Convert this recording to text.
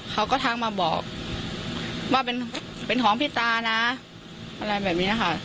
เขาก็ทักมาบอกว่าเป็นเป็นของพี่ตานะอะไรแบบนี้ค่ะ